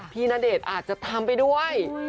ณเดชน์อาจจะทำไปด้วย